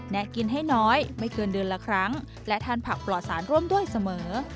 กินให้น้อยไม่เกินเดือนละครั้งและทานผักปลอดสารร่วมด้วยเสมอ